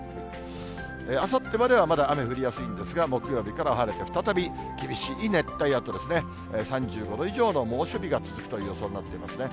あさってまではまだ雨降りやすいんですが、木曜日からは晴れて、再び厳しい熱帯夜と、３５度以上の猛暑日が続くという予想になっていますね。